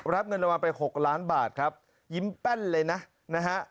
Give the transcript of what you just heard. รับเงินรางวัลไป๖ล้านบาทครับยิ้มแป้นเลยนะนะฮะ